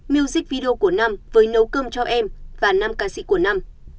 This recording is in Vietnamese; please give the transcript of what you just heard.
music video của nam với nấu cơm cho em và năm ca sĩ của năm